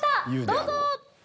どうぞ。